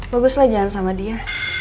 bagus lah jangan sama dia